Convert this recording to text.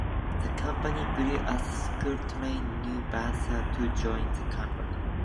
The company grew as the school trained new dancers to join the company.